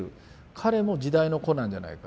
彼も時代の子なんじゃないか。